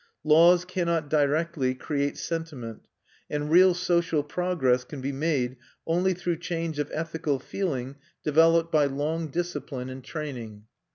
Laws cannot directly create sentiment; and real social progress can be made only through change of ethical feeling developed by long discipline and training.